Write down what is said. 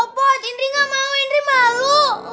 mako cintri gamau indrim malu